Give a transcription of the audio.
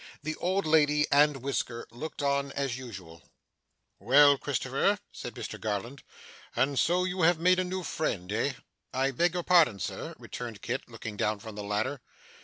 The old lady and Whisker looked on as usual. 'Well, Christopher,' said Mr Garland, 'and so you have made a new friend, eh?' 'I beg your pardon, Sir?' returned Kit, looking down from the ladder.